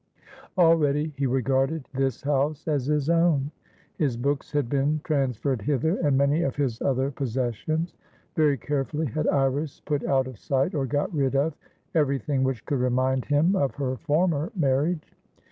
Already he regarded this house as his own. His books had been transferred hither, and many of his other possessions. Very carefully had Iris put out of sight or got rid of, everything which could remind him of her former marriage.